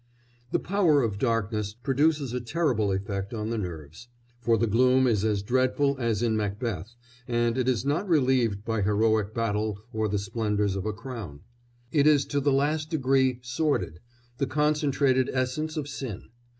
The Power of Darkness produces a terrible effect on the nerves, for the gloom is as dreadful as in Macbeth, and it is not relieved by heroic battle or the splendours of a crown; it is to the last degree sordid the concentrated essence of sin.